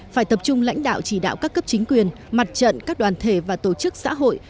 phải tập trung lãnh đạo chỉ đạo các cấp chính quyền mặt trận các đoàn thể và tổ chức xã hội